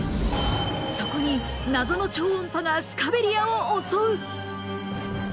そこに謎の超音波がスカベリアを襲う！